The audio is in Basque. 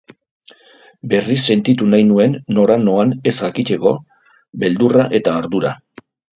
Berriz sentitu nahi nuen nora noan ez jakiteko beldurra eta ardura.